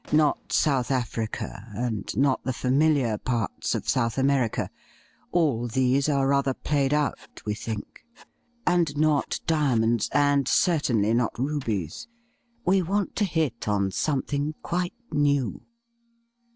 Not South Africa, and not the familiar parts of South America. All these are rather played out, we think. And not diamonds ; and certainly not rubies. We want to hit on something quite new.'